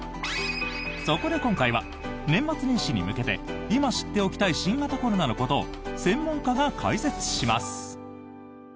そこで今回は、年末年始に向けて今、知っておきたい新型コロナのことを専門家が解説します。